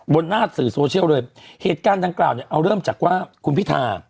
หน้าสื่อโซเชียลเลยเหตุการณ์ดังกล่าวเนี่ยเอาเริ่มจากว่าคุณพิธา